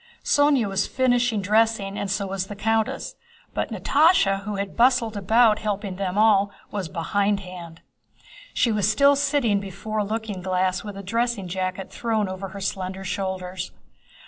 Sónya was finishing dressing and so was the countess, but Natásha, who had bustled about helping them all, was behindhand. She was still sitting before a looking glass with a dressing jacket thrown over her slender shoulders.